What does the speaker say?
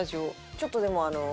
ちょっとでもあの。